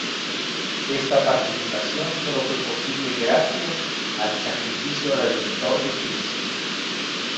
Esta participación solo fue posible gracias al sacrificio redentor de Cristo.